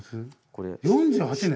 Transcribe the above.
４８年？